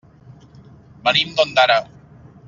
Venim d'Ondara.